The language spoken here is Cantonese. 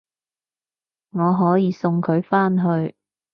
我可以送佢返去